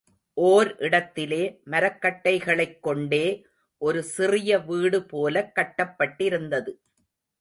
ஓர் இடத்திலே மரக்கட்டைகளைக்கொண்டே ஒரு சிறிய வீடு போலக் கட்டப்பட்டிருந்தது.